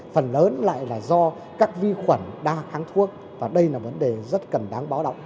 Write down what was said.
phần lớn lại là do các vi khuẩn đa kháng thuốc và đây là vấn đề rất cần đáng báo động